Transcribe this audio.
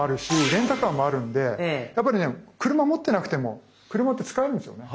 レンタカーもあるんでやっぱりね車持ってなくても車って使えるんですよね。